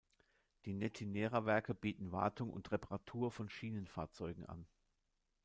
Die Netinera Werke bieten Wartung und Reparatur von Schienenfahrzeugen an.